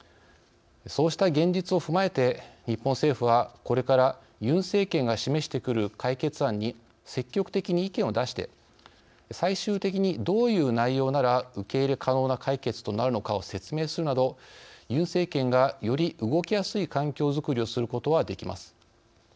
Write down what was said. そうした現実を踏まえて日本政府はこれからユン政権が示してくる解決案に積極的に意見を出して最終的に、どういう内容なら受け入れ可能な解決となるのかを説明するなどユン政権が、より動きやすい環境づくりをすることはできます。